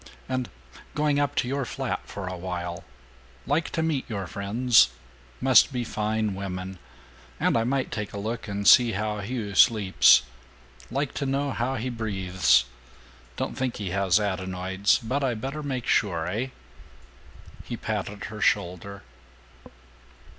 and going up to your flat for a while? Like to meet your friends must be fine women and I might take a look and see how Hugh sleeps. Like to know how he breathes. Don't think he has adenoids, but I better make sure, eh?" He patted her shoulder.